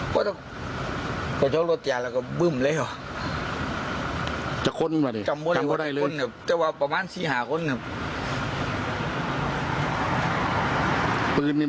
ปืนมันเลยหรอจะค้นมาดิจำว่าได้เลยจะว่าประมาณสี่หาค้นครับ